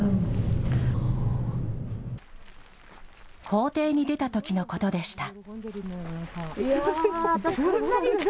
校庭に出たときのことでした。